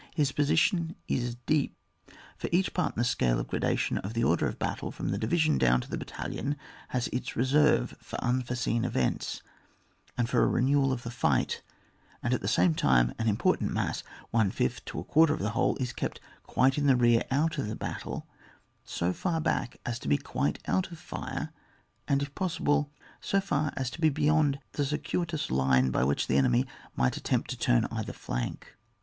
His position is deq)^ for each part in the scale of gradation of the order of battle, from the division down to the battalion, has its reserve for unforeseen events, and for a renewal of the fight; and at the same time an important mass, one fifth to a quarter of the whole, is kept quite in the rear out of the battle, so far back as to be quite out of fire, and if possible so far as to be beyond the circuitous line by which the enemy might attempt to turn either flank.